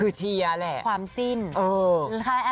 คือเชียร์แหละความจิ้น